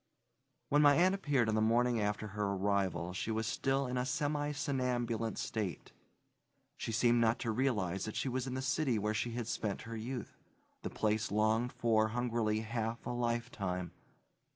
When my aunt appeared on the morning after her arrival she was still in a semi somnambulant state. She seemed not to realize that she was in the city where she had spent her youth, the place longed for hungrily half a lifetime.